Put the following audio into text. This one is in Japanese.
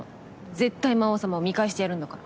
絶対魔王様を見返してやるんだから。